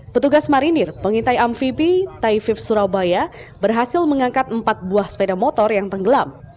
petugas marinir pengintai amfibi taifif surabaya berhasil mengangkat empat buah sepeda motor yang tenggelam